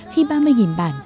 khi ba mươi bản